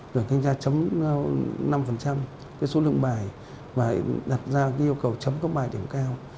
rồi thanh tra chấm năm cái số lượng bài và đặt ra yêu cầu chấm các bài điểm cao